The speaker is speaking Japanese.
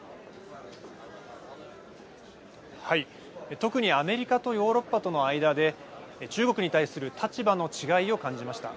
特にアメリカとヨーロッパとの間で中国に対する立場の違いを感じました。